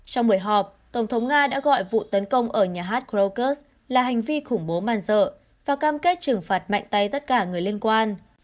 trong buổi họp tổng thống nga đã gọi vụ tấn công ở nhà hát krokus là hành vi khủng bố màn dợ và cam kết trừng phạt mạnh tay tất cả người liên quan